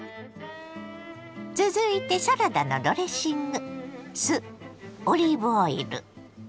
続いてサラダのドレッシング。